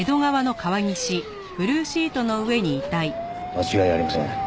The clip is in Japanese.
間違いありません。